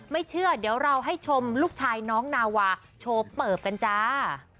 ไม่เชื่อเดี๋ยวเราให้ชมลูกชายน้องนาวาโชว์เปิบกันจ้า